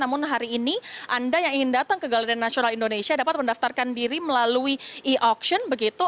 namun hari ini anda yang ingin datang ke galerian nasional indonesia dapat mendaftarkan diri melalui e auction begitu